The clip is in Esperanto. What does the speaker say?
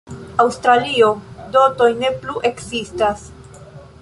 Aŭstralio, dotoj ne plu ekzistas.